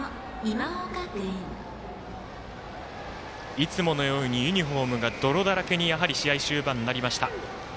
いつものようにユニフォームが泥だらけに試合終盤なりました。